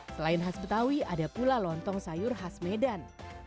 selain khas betawi ada pula lontong sayur khas medan